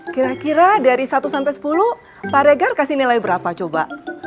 kira kira dari satu sampai sepuluh pak regar kasih nilai berapa coba